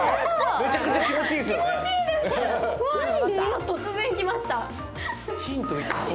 めちゃくちゃ気持ちいいでしょう。